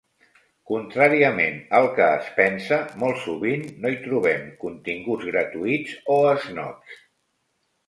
Contràriament al que es pensa molt sovint, no hi trobem continguts gratuïts o esnobs.